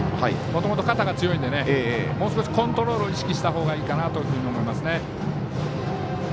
もともと肩が強いのでもう少しコントロールを意識した方がいいかなというふうに思いますね。